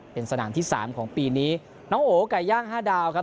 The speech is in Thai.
เป็นสนามที่สามของปีนี้น้องโอ๋ไก่ย่างห้าดาวครับ